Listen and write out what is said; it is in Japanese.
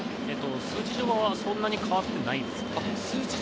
数値上はそんなに変わっていないです。